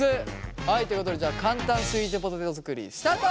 はいということでじゃあ簡単スイートポテト作りスタート！